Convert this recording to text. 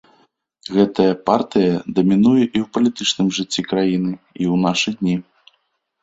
Гэтая партыя дамінуе ў палітычным жыцці краіны і ў нашы дні.